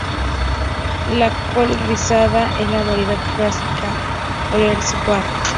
La col rizada es la variedad "Brassica oleracea" var.